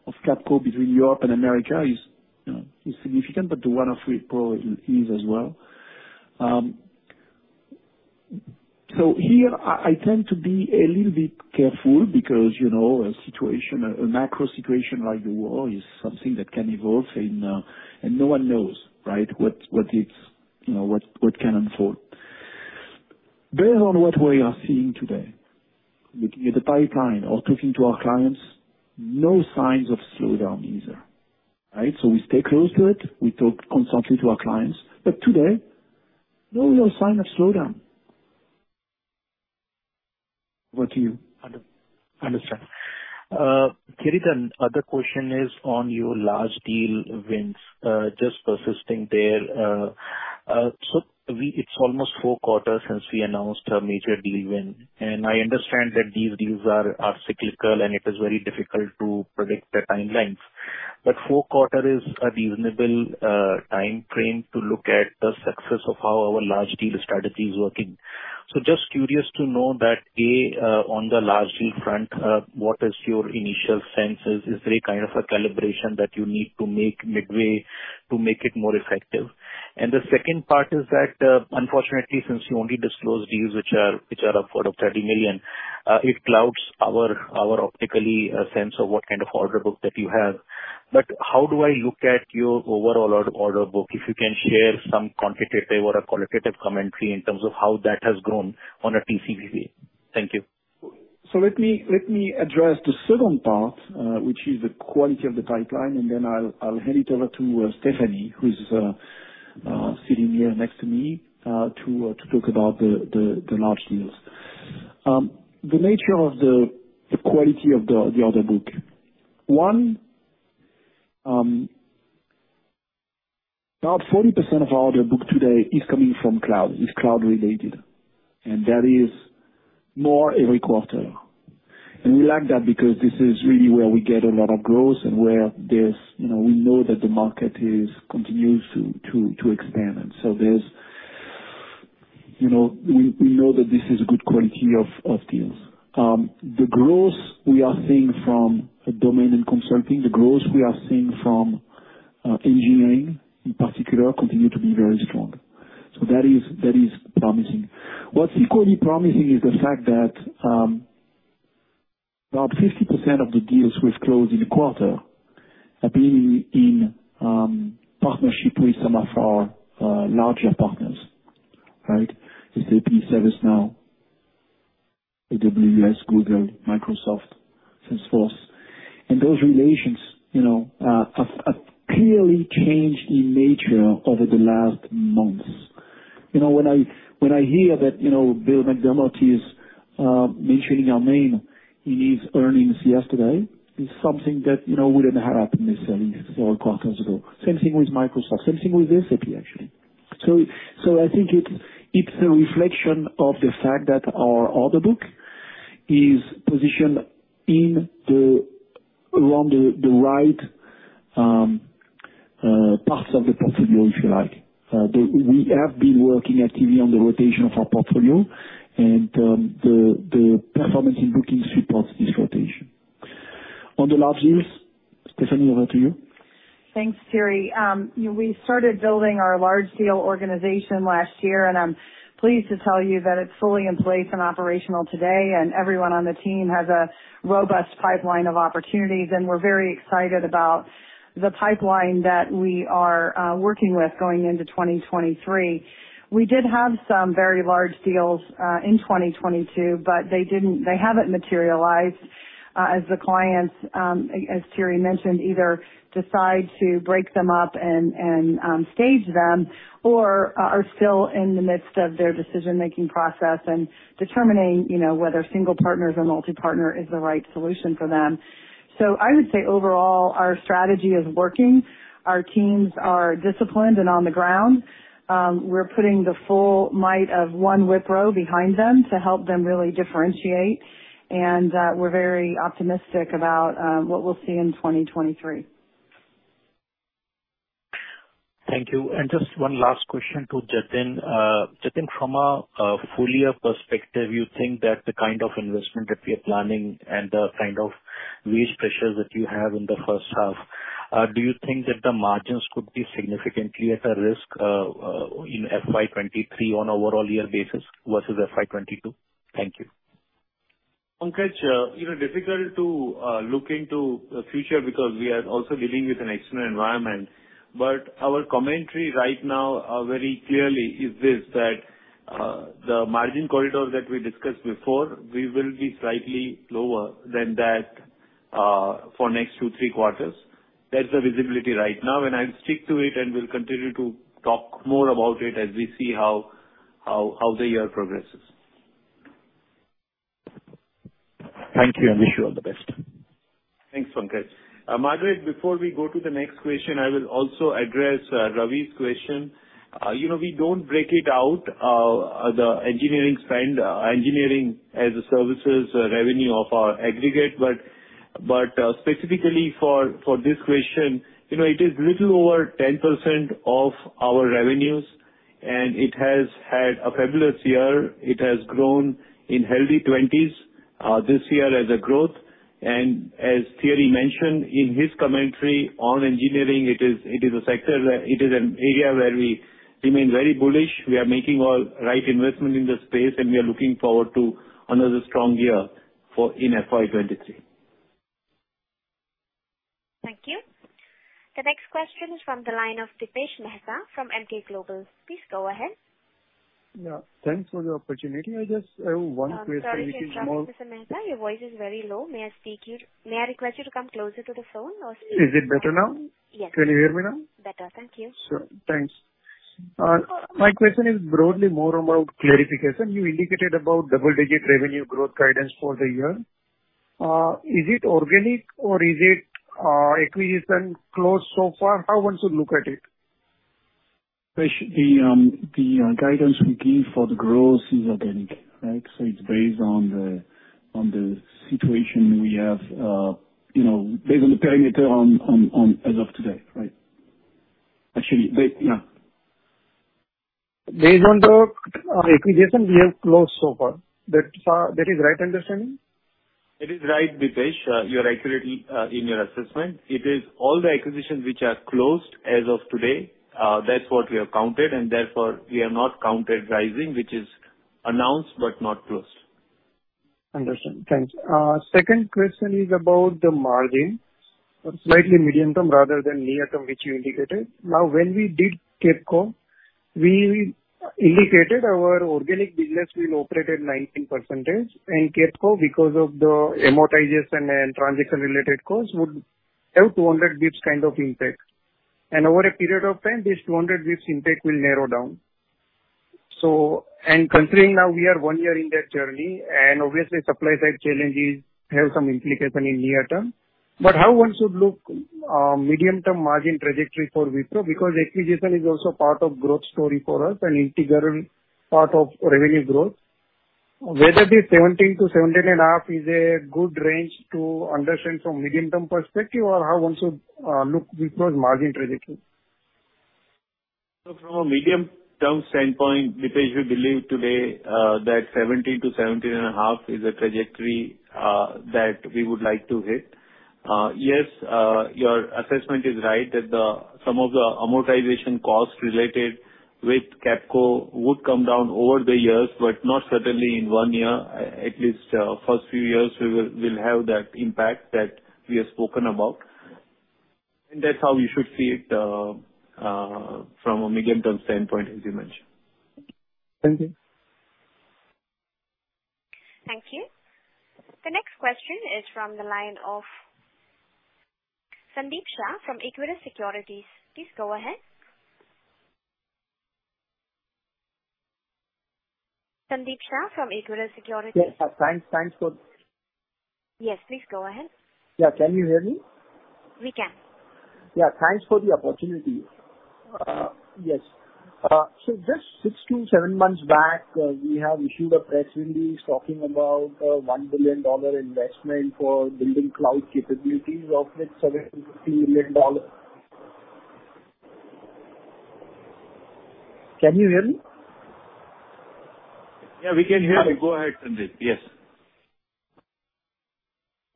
of Capco between Europe and America is, you know, significant, but the one of Wipro is as well. So, here I tend to be a little bit careful because, you know, a situation, a macro situation like the war is something that can evolve and no one knows, right, what it's, you know, what can unfold. Based on what we are seeing today, looking at the pipeline or talking to our clients, no signs of slowdown either, right? We stay close to it. We talk constantly to our clients. Today, no real sign of slowdown. Understood, the other question is on your large deal wins, just persisting there. It's almost four quarters since we announced a major deal win, and I understand that these deals are cyclical, and it is very difficult to predict the timelines. Four quarters is a reasonable timeframe to look at the success of how our large deal strategy is working. Just curious to know that A, on the large deal front, what is your initial sense? Is there a kind of a calibration that you need to make midway to make it more effective? The second part is that, unfortunately since you only disclose deals which are of sort of $30 million, it clouds our optically sense of what kind of order book that you have. How do I look at your overall order book? If you can share some quantitative or a qualitative commentary in terms of how that has grown on a TCV basis. Thank you. Let me address the second part, which is the quality of the pipeline, and then I'll hand it over to Stephanie, who's sitting here next to me, to talk about the large deals. The nature of the quality of the order book. One, about 40% of order book today is coming from cloud, is cloud related, and that is more every quarter. We like that because this is really where we get a lot of growth and where there's. We know that the market continues to expand. We know that this is a good quality of deals. The growth we are seeing from domain and consulting and from engineering in particular continue to be very strong. That is promising. What's equally promising is the fact that about 50% of the deals we've closed in the quarter have been in partnership with some of our larger partners, right? SAP, ServiceNow, AWS, Google, Microsoft, Salesforce. Those relations, you know, have clearly changed in nature over the last months. You know, when I hear that Bill McDermott is mentioning our name in his earnings yesterday is something that you know, wouldn't have happened necessarily four quarters ago. Same thing with Microsoft, same thing with SAP actually. I think it's a reflection of the fact that our order book is positioned in the right parts of the portfolio, if you like. We have been working actively on the rotation of our portfolio and the performance in bookings supports this rotation. On the large deals, Stephanie, over to you. Thanks, Thierry. You know, we started building our large deal organization last year, and I'm pleased to tell you that it's fully in place and operational today, and everyone on the team has a robust pipeline of opportunities, and we're very excited about the pipeline that we are working with going into 2023. We did have some very large deals in 2022, but they didn't, they haven't materialized as the clients, as Thierry mentioned, either decide to break them up and stage them or are still in the midst of their decision-making process and determining, you know, whether single partners or multi-partner is the right solution for them. I would say overall our strategy is working. Our teams are disciplined and on the ground. We're putting the full might of one Wipro behind them to help them really differentiate. We're very optimistic about what we'll see in 2023. Thank you. Just one last question to Jatin. Jatin, from a full year perspective, you think that the kind of investment that we are planning and the kind of wage pressures that you have in the first half, do you think that the margins could be significantly at a risk in FY 2023 on overall year basis versus FY 2022? Thank you. Pankaj, you know, difficult to look into the future because we are also dealing with an external environment. Our commentary right now very clearly is this, that the margin corridor that we discussed before, we will be slightly lower than that for next two, three quarters. That's the visibility right now, and I'll stick to it, and we'll continue to talk more about it as we see how the year progresses. Thank you, and wish you all the best. Thanks, Pankaj. Margaret, before we go to the next question, I will also address Ravi's question. You know, we don't break it out, the engineering services revenue of our aggregate. Specifically for this question, you know, it is a little over 10% of our revenues, and it has had a fabulous year. It has grown in healthy 20s this year as growth. As Thierry mentioned in his commentary on engineering, it is an area where we remain very bullish. We are making the right investment in this space, and we are looking forward to another strong year in FY 2023. Thank you. The next question is from the line of Dipesh Mehta from Emkay Global. Please go ahead. Yeah. Thanks for the opportunity. I just have one question. Sorry, we can't hear Mr. Mehta. Your voice is very low. May I request you to come closer to the phone or- Is it better now? Yes. Can you hear me now? Better. Thank you. Sure. Thanks. My question is broadly more about clarification. You indicated about double-digit revenue growth guidance for the year. Is it organic or is it acquisition closed so far? How one should look at it? The guidance we give for the growth is organic, right? It's based on the situation we have, you know, based on the parameters as of today, right? Actually, yeah. Based on the acquisition we have closed so far. That is right understanding? It is right, Dipesh. You are accurate in your assessment. It is all the acquisitions which are closed as of today, that's what we have counted, and therefore we have not counted Rizing, which is announced but not closed. Understand. Thanks. Second question is about the margin, slightly medium-term rather than near-term, which you indicated. Now, when we did Capco, we indicated our organic business will operate at 19%, and Capco, because of the amortization and transaction-related costs, would have 200 basis points kind of impact. Over a period of time, this 200 basis points impact will narrow down. Considering now we are one year in that journey, and obviously supply side challenges have some implication in near term. How one should look medium-term margin trajectory for Wipro, because acquisition is also part of growth story for us, an integral part of revenue growth. Whether the 17%-17.5% is a good range to understand from medium-term perspective, or how one should look Wipro's margin trajectory? From a medium-term standpoint, Dipesh, we believe today that 17%-17.5% is a trajectory that we would like to hit. Yes, your assessment is right that some of the amortization costs related with Capco would come down over the years, but not certainly in one year. At least first few years we'll have that impact that we have spoken about. That's how you should see it from a medium-term standpoint, as you mentioned. Thank you. Thank you. The next question is from the line of Sandeep Shah from Equirus Securities. Please go ahead. Sandeep Shah from Equirus Securities. Yes. Thanks for- Yes. Please go ahead. Yeah. Can you hear me? We can. Yeah. Thanks for the opportunity. Yes. Just six, seven months back, we have issued a press release talking about a $1 billion investment for building cloud capabilities of which $750 million. Can you hear me? Yeah, we can hear you. Go ahead, Sandeep. Yes.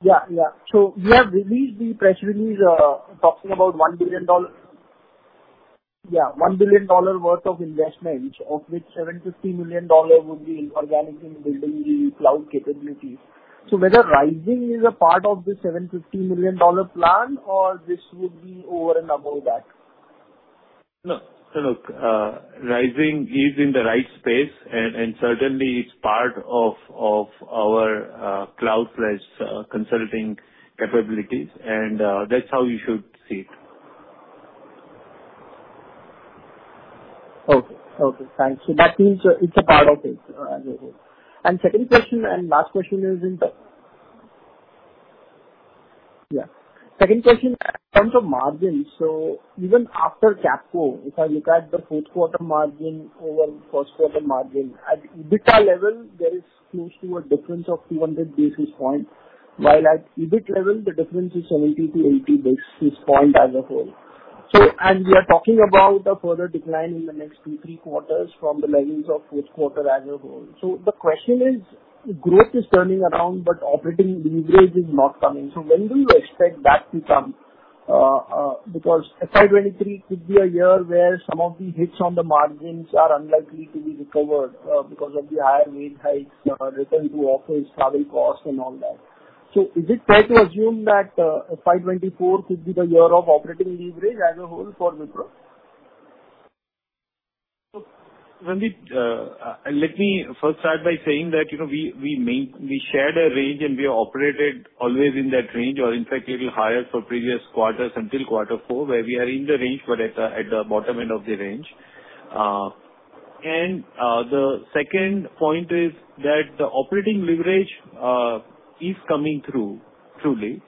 Yeah. We have released the press release, talking about $1 billion worth of investment, of which $750 million would be in organizing, building the cloud capabilities. Whether Rizing is a part of the $750 million plan or this would be over and above that? No. Look, Rizing is in the right space and certainly it's part of our cloud-based consulting capabilities, and that's how you should see it. Okay. Okay, thanks. That means, it's a part of it as a whole. Second question, in terms of margin, even after Capco, if I look at the fourth quarter margin over first quarter margin, at EBITDA level there is close to a difference of 200 basis points, while at EBIT level the difference is 70 to 80 basis points as a whole. We are talking about a further decline in the next two, three quarters from the levels of fourth quarter as a whole. The question is, growth is turning around, but operating leverage is not coming. When do you expect that to come? Because FY 2023 could be a year where some of the hits on the margins are unlikely to be recovered, because of the higher wage hikes, return to office, travel costs and all that. Is it fair to assume that FY 2024 could be the year of operating leverage as a whole for Wipro? Sandeep, let me first start by saying that, you know, we shared a range and we operated always in that range or in fact a little higher for previous quarters until quarter four, where we are in the range, but at the bottom end of the range. The second point is that the operating leverage is coming through, truly.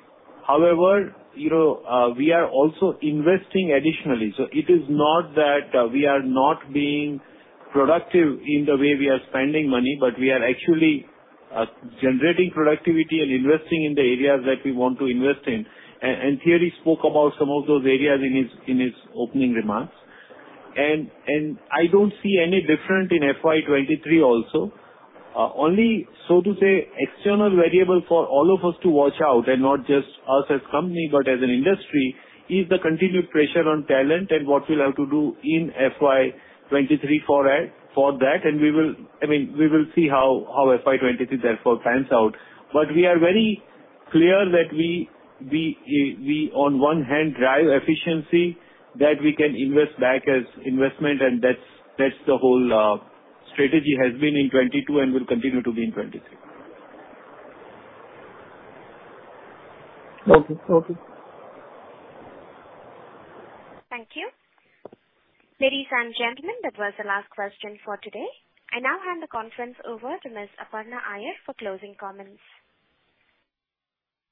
However, you know, we are also investing additionally. It is not that, we are not being productive in the way we are spending money, but we are actually generating productivity and investing in the areas that we want to invest in. Thierry spoke about some of those areas in his opening remarks. I don't see any different in FY 2023 also. Only so to say, external variable for all of us to watch out, and not just us as company but as an industry, is the continued pressure on talent and what we'll have to do in FY 2023 for that. I mean, we will see how FY 2023 therefore pans out. We are very clear that we on one hand drive efficiency that we can invest back as investment and that's the whole strategy has been in 2022 and will continue to be in 2023. Okay. Okay. Thank you. Ladies and gentlemen, that was the last question for today. I now hand the conference over to Ms. Aparna Iyer for closing comments.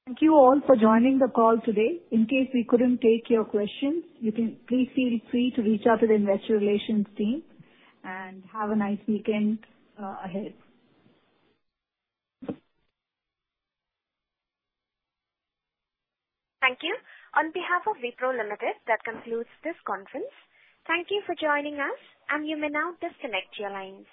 Thank you all for joining the call today. In case we couldn't take your questions, you can please feel free to reach out to the investor relations team. Have a nice weekend ahead. Thank you. On behalf of Wipro Limited, that concludes this conference. Thank you for joining us, and you may now disconnect your lines.